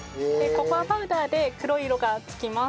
ココアパウダーで黒い色がつきます。